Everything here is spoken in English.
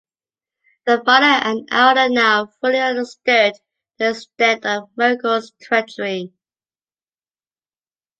The Valar and Eldar now fully understood the extent of Melkor's treachery.